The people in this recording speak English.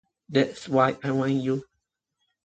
That's why I want you.